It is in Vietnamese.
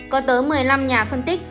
có tới một mươi năm nhà phân tích